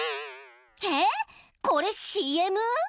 えっこれＣＭ？